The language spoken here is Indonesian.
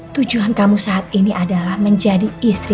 tujuan kamu saat ini adalah menjadi istri